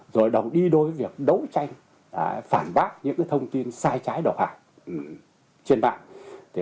rồi đồng đi đôi việc đấu tranh phản bác những thông tin sai trái độc hại trên mạng